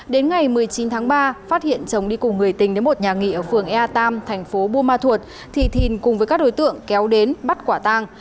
đến ngày một mươi chín tháng ba phát hiện chồng đi cùng người tình đến một nhà nghị ở phường ea tam tp bu ma thuột thì thìn cùng với các đối tượng kéo đến bắt quả tàng